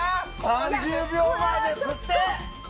３０秒前ですって！